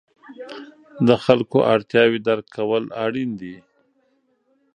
د خلکو اړتیاوې درک کول اړین دي.